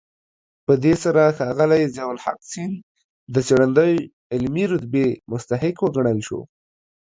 په دې سره ښاغلی ضياءالحق سیند د څېړندوی علمي رتبې مستحق وګڼل شو.